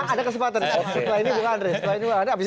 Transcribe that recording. ada kesempatan setelah ini buk andri setelah ini buk andri